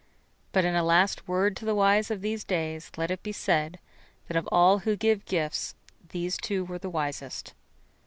But in a last word to the wise of these days let it be said that of all who give gifts these two were the wisest.